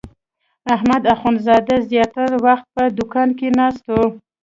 احمد اخوندزاده زیاتره وخت په دوکان کې ناست و.